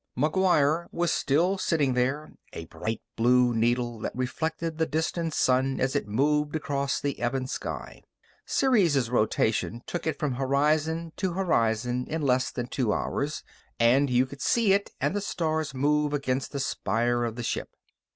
McGuire was still sitting there, a bright blue needle that reflected the distant sun as it moved across the ebon sky. Ceres' rotation took it from horizon to horizon in less than two hours, and you could see it and the stars move against the spire of the ship.